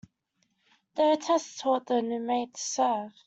The hostess taught the new maid to serve.